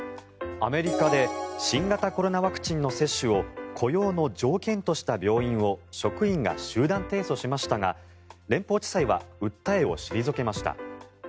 アメリカで新型コロナワクチンの接種を雇用の条件とした病院を職員が集団提訴しましたが連邦地裁は訴えを退けました。